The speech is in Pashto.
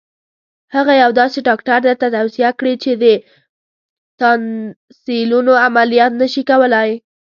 هغه یو داسې ډاکټر درته توصیه کړي چې د تانسیلونو عملیات نه شي کولای.